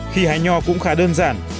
khi hái nhò cũng khá đơn giản